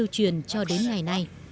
truyền cho đến ngày nay